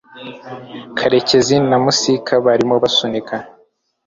karecyezi na Musika barimo basunika